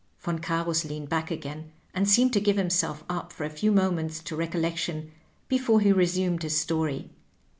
Yon Cams leaned back again, and seemed to give himself up for a few moments to recollection before he resumed his story.